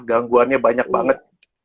gangguannya banyak banget